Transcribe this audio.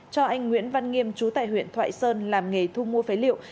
cho anh nguyễn văn nghiêm chú tại huyện thoại sơn làm nghề thu mua phế liệu